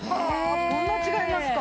こんな違いますか。